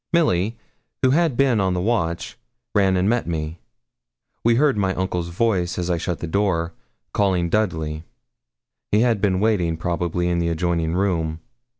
Milly, who had been on the watch, ran and met me. We heard my uncle's voice, as I shut the door, calling Dudley. He had been waiting, probably, in the adjoining room.